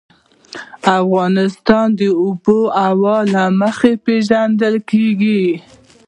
افغانستان د آب وهوا له مخې پېژندل کېږي.